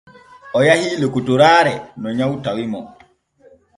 O yahii lokotoraare no nyaw tawi mo.